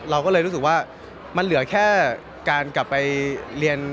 เราก็เลยรู้สึกว่ามันเหลือแค่การกลับไปเรียน